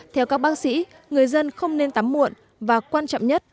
theo các bác sĩ người dân không nên tắm muộn và quan trọng nhất